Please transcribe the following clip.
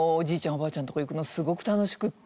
おばあちゃんの所行くのすごく楽しくって。